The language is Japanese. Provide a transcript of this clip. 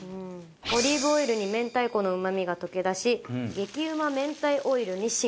オリーブオイルに明太子のうまみが溶け出し激うま明太オイルに進化するそうです。